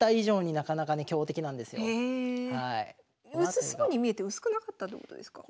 薄そうに見えて薄くなかったってことですか